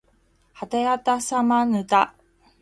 はたやたさまぬた